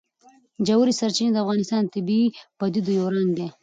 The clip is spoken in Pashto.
ژورې سرچینې د افغانستان د طبیعي پدیدو یو رنګ دی.